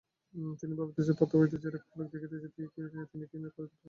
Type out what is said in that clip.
তিনি ভাবিতেছেন, প্রতাপাদিত্য যে-রকম লোক দেখিতেছি তিনি কী না করিতে পারেন।